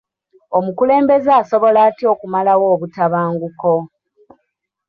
Omukulembeze asobola atya okumalawo obutabanguko?